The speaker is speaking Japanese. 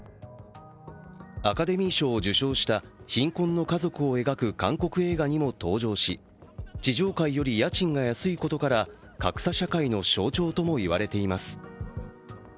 アカデミー賞を受賞した貧困の家族を描く韓国映画にも登場し地上階より家賃が安いことから格差社会の象徴とも言われています。